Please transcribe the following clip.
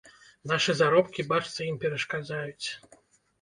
Нашы заробкі, бачце, ім перашкаджаюць!